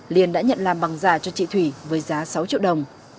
liên đã nhận làm bằng giả cho chị thủy với giá sáu triệu đồng